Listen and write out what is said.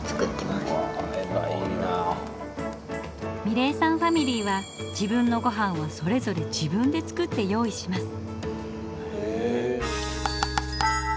美礼さんファミリーは自分のごはんはそれぞれ自分で作って用意します。